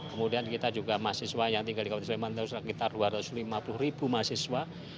kemudian kita juga mahasiswa yang tinggal di kabupaten sleman itu sekitar dua ratus lima puluh ribu mahasiswa